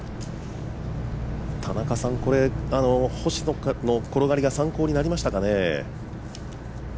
星野の転がりが参考になりましたかね？